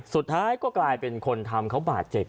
สุดท้ายก็กลายเป็นคนทำเขาบาดเจ็บ